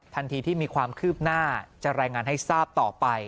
ทันทีที่มีความคืบหน้าจะรายงานให้ทราบต่อไป